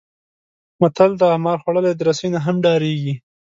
متل دی: مار خوړلی د رسۍ نه هم ډارېږي.